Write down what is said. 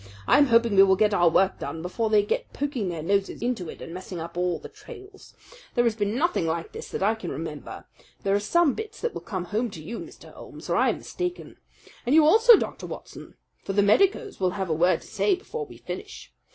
I'm hoping we will get our work done before they get poking their noses into it and messing up all the trails. There has been nothing like this that I can remember. There are some bits that will come home to you, Mr. Holmes, or I am mistaken. And you also, Dr. Watson; for the medicos will have a word to say before we finish.